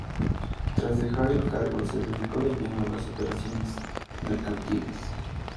Tras dejar el cargo se dedicó de lleno a las operaciones mercantiles.